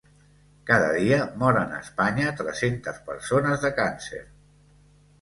Cada dia moren a Espanya tres-centes persones de càncer.